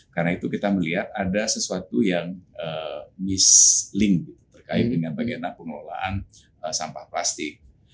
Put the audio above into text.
karena itu kita melihat ada sesuatu yang mislingu berkait dengan bagian pengelolaan sampah plastik